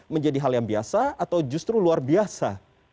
menjadi hal yang biasa atau justru luar biasa